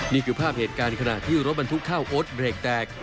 นี่คือภาพเหตุการณ์ขณะที่รถบรรทุกข้าวโอ๊ตเบรกแตก